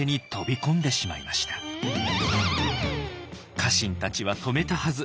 家臣たちは止めたはず。